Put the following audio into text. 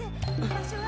場所は。